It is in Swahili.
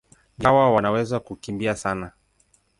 Ndege hawa wanaweza kukimbia sana.